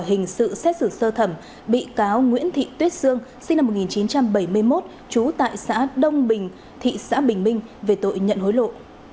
tòa hình sự xét xử sơ thẩm bị cáo nguyễn thị tuyết sương sinh năm một nghìn chín trăm bảy mươi một trú tại xã đông bình thị xã bình minh về tội nhận hối lộ